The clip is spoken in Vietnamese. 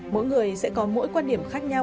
mỗi người sẽ có mỗi quan điểm khác nhau